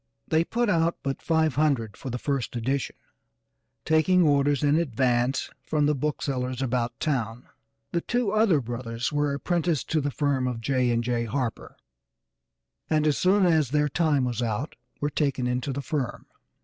They put out but five hundred for the first edition, taking orders in advance from the booksellers about town. The two other brothers were apprenticed to the firm of J. & J. Harper and, as soon as their time was out, were taken into the firm.